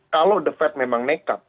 kalau the fed memang nekat